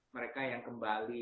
mereka yang kembali